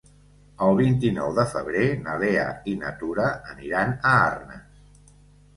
El vint-i-nou de febrer na Lea i na Tura aniran a Arnes.